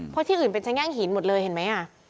เพราะที่อื่นเป็นชะแง่งหินหมดเลยเห็นไหม